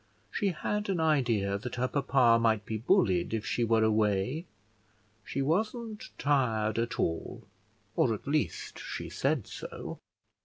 She had an idea that her papa might be bullied if she were away: she wasn't tired at all, or at least she said so.